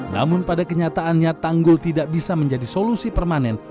namun pada kenyataannya tanggul tidak bisa menjadi solusi permanen